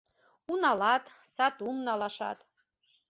Уналат, сатум налашат.